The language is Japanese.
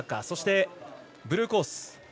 そして、ブルーコース